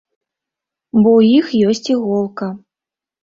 Бо ў іх ёсць іголка!